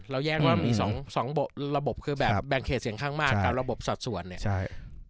เราแยกว่ามี๒ระบบคือแบบแบงค์เขตเสียงข้างมากกับระบบสัดส่วนเนี่ย